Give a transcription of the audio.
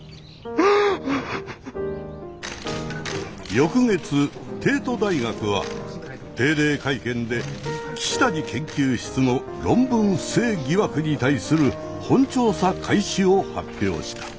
翌月帝都大学は定例会見で岸谷研究室の論文不正疑惑に対する本調査開始を発表した。